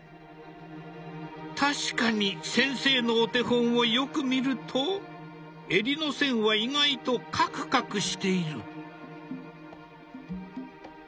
確かに先生のお手本をよく見ると襟の線は意外とカクカクしている。